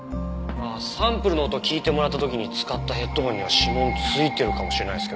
サンプルの音聞いてもらった時に使ったヘッドホンには指紋ついてるかもしれないですけど。